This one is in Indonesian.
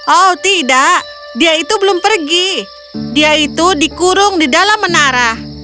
oh tidak dia itu belum pergi dia itu dikurung di dalam menara